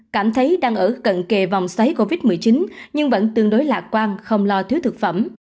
cảm thấy đang ở cận kề vòng xoáy covid một mươi chín nhưng vẫn tương đối lạc quan không lo thiếu thực phẩm